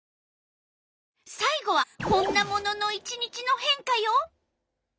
さい後はこんなものの１日の変化よ！